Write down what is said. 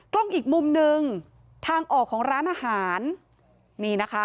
กล้องอีกมุมหนึ่งทางออกของร้านอาหารนี่นะคะ